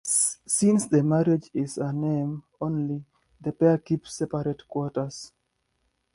Since the marriage is in name only, the pair keep separate quarters.